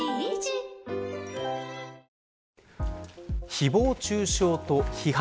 誹謗中傷と批判